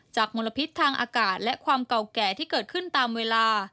มลพิษทางอากาศและความเก่าแก่ที่เกิดขึ้นตามเวลา